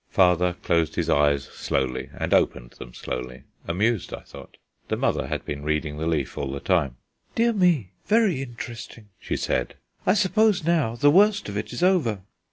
Father closed his eyes slowly and opened them slowly amused, I thought. The mother had been reading the leaf all the time. "Dear me! very interesting!" she said. "I suppose now the worst of it is over."